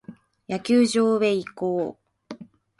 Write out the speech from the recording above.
野球場へ移行。